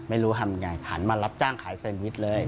ไม่รู้ทำยังไงหันมารับจ้างขายแซนวิชเลย